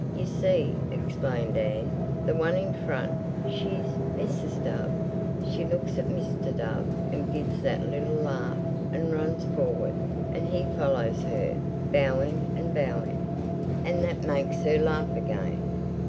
"You see," explained Anne, "the one in front, she's Mrs. Dove. She looks at Mr. Dove and gives that little laugh and runs forward, and he follows her, bowing and bowing. And that makes her laugh again.